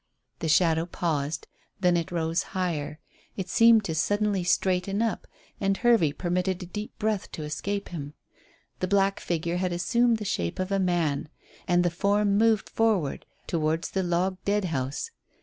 The shadow paused. Then it rose higher. It seemed to suddenly straighten up, and Hervey permitted a deep breath to escape him. The black figure had assumed the shape of a man, and the form moved forward towards the log dead house.